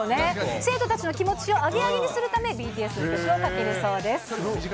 生徒たちの気持ちをアゲアゲにするため、ＢＴＳの曲をかけるそうです。